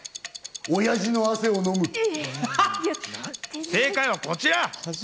おやじの汗を飲む。